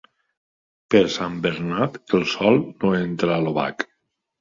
Per Sant Bernat, el sol no entra a l'obac.